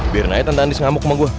berna ed anda andi sengamuk sama gue